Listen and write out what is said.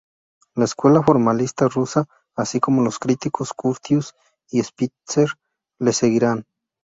La escuela formalista rusa, así como los críticos Curtius y Spitzer, le seguirán.